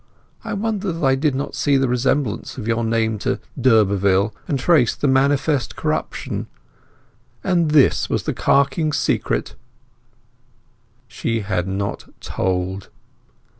I wonder that I did not see the resemblance of your name to d'Urberville, and trace the manifest corruption. And this was the carking secret!" She had not told.